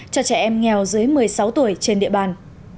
cho trẻ em nghèo dưới một mươi sáu tuổi trên địa bàn